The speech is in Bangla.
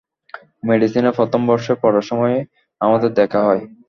মেডিসিনে প্রথম বর্ষে পড়ার সময়ই আমাদের দেখা হয়।